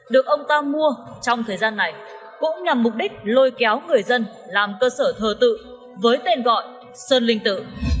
được ông ta mua trong thời gian này cũng nhằm mục đích lôi kéo người dân làm cơ sở thờ tự với tên gọi sơn linh tử